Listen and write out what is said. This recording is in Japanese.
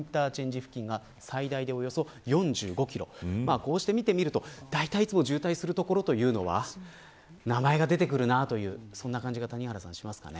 こうして見てみるとだいたいいつも渋滞する所は名前が出てくるなという感じが谷原さん、しますかね。